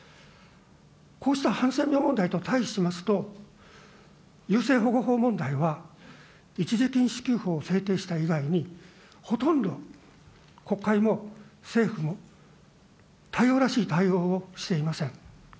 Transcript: こうしたハンセン病問題としますと、優生保護法問題は、一時金支給法を制定した以外に、ほとんど国会も政府も対応らしい対応をしていません。